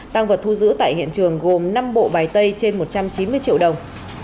tăng vật thu giữ tại hiện trường gồm năm bộ bài tay trên một trăm chín mươi triệu đồng